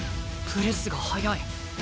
プレスが早い。